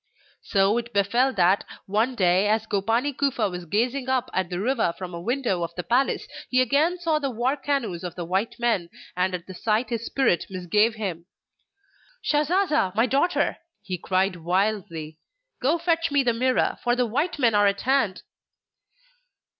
So it befell that, one day, as Gopani Kufa was gazing up at the river from a window of the palace he again saw the war canoes of the white men; and at the sight his spirit misgave him. 'Shasasa! my daughter!' he cried wildly, 'go fetch me the mirror, for the white men are at hand.